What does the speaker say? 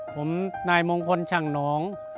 ผมนายมงคลช่างหนอง